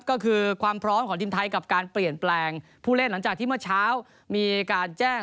ก็คือความพร้อมของทีมไทยกับการเปลี่ยนแปลงผู้เล่นหลังจากที่เมื่อเช้ามีการแจ้ง